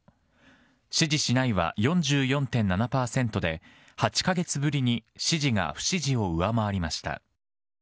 支持しないは４４．７％で、８か月ぶりに支持が不支持を上回りました。